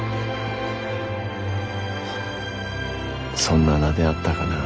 フッそんな名であったかなぁ。